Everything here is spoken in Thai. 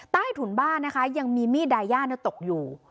ใต้ถุนบ้านนะคะยังมีมีดดายาตกอยู่